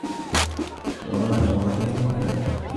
وَظَاهِرَ غَدْرِهِمْ وَفَاءً